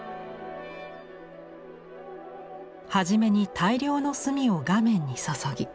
初めに大量の墨を画面に注ぎ